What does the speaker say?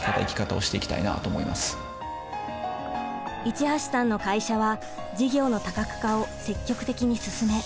市橋さんの会社は事業の多角化を積極的に進め